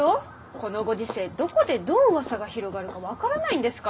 このご時世どこでどう噂が広がるかわからないんですから。